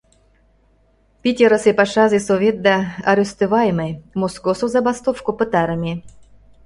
Питерысе Пашазе советда арестовайыме, Москосо забастовко пытарыме.